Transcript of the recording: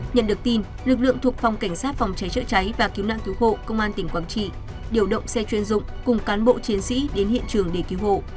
nhận được tin lực lượng thuộc phòng cảnh sát phòng cháy chữa cháy và cứu nạn cứu hộ công an tỉnh quảng trị điều động xe chuyên dụng cùng cán bộ chiến sĩ đến hiện trường để cứu hộ